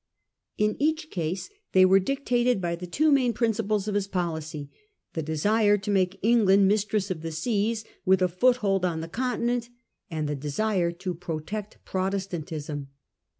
In each case they were dictated by the two main principles of his policy — the desire to make England mistress of the seas, with a foothold on the continent, and the desire to protect Protestantism.